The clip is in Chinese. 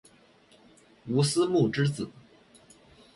吴思穆之子。